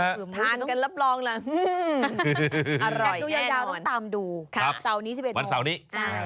ทานกันรับรองละอร่อยแน่นอนดูยาวต้องตามดูวันเสาร์นี้